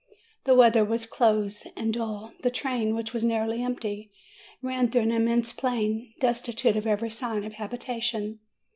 The weather was close and dull; the train, which was nearly empty, ran through an immense plain, destitute of every sign of habitation.